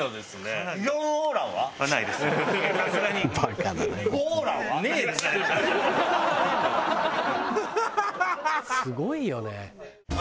すごいよね。